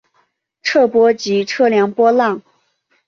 测波即测量波浪。